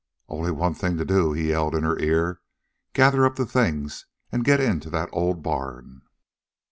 "Only one thing to do," he yelled in her ear. " Gather up the things an' get into that old barn."